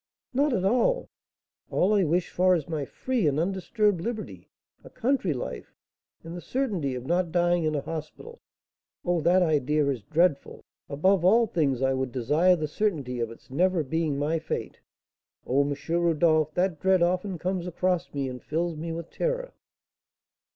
"Not at all! All I wish for is my free and undisturbed liberty, a country life, and the certainty of not dying in a hospital. Oh, that idea is dreadful! Above all things, I would desire the certainty of its never being my fate. Oh, M. Rodolph, that dread often comes across me and fills me with terror."